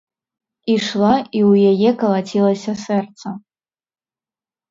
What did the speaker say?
Ішла, і ў яе калацілася сэрца.